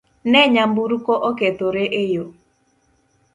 Ne nyamburko okethore e yoo